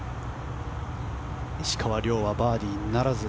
石川遼はバーディーならず。